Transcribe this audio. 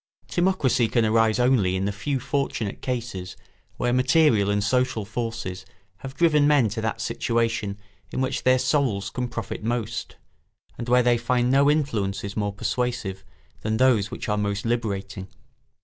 Timocracy can arise only in the few fortunate cases where material and social forces have driven men to that situation in which their souls can profit most, and where they find no influences more persuasive than those which are most liberating.